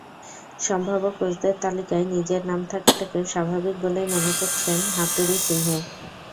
সম্ভাব্য কোচদের তালিকায় নিজের নাম থাকাটাকেও স্বাভাবিক বলেই মনে করছেন হাথুরুসিংহে।